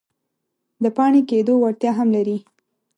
د پاڼې کیدو وړتیا هم لري.